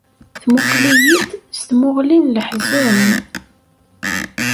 Temmuqqel-iyi-d s tmuɣli n leḥzen.